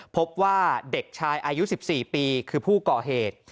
พบว่าเด็กชายอายุ๑๔ปีคือผู้ก่อเหตุ